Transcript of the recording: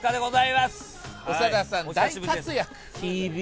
です長田さん大活躍